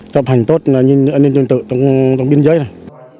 chọc hành tốt an ninh chân tự trong biên giới này